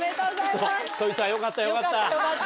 そいつはよかったよかった。